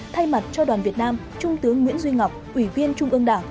thay mặt cho đoàn việt nam trung tướng nguyễn duy ngọc ủy viên trung ương đảng